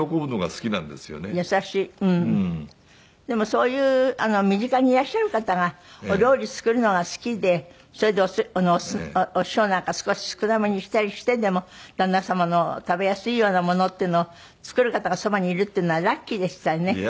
でもそういう身近にいらっしゃる方がお料理作るのが好きでそれでお塩なんか少し少なめにしたりしてでも旦那様の食べやすいようなものっていうのを作る方がそばにいるっていうのはラッキーでしたよね。